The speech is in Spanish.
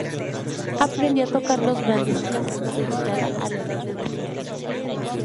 Aprendió a tocar los grandes clásicos de guitarra a la edad de doce años.